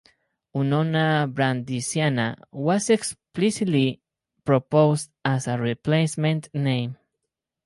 "Unona brandisiana" was explicitly proposed as a replacement name.